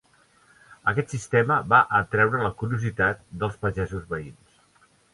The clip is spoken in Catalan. Aquest sistema va atreure la curiositat dels pagesos veïns.